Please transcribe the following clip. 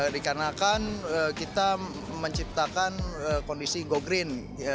dikarenakan kita menciptakan kondisi go green